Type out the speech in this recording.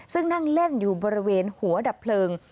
ซึ่งนั่งเล่นอยู่บริเวณหัวดับเพลิง